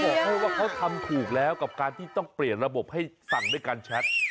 บอกให้ว่าเขาทำถูกแล้วกับการที่ต้องเปลี่ยนระบบให้สั่งด้วยการแชท